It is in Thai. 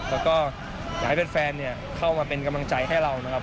แล้วก็อยากให้แฟนเข้ามาเป็นกำลังใจให้เรานะครับ